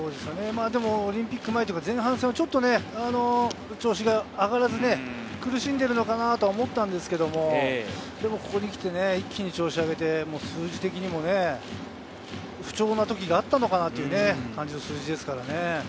オリンピック前、前半戦はちょっと調子が上がらず苦しんでるのかなと思ったんですけれど、ここにきて一気に調子を上げて、数字的にも不調の時があったのかなという感じの数字ですからね。